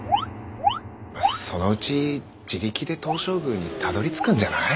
そのうち自力で東照宮にたどりつくんじゃない？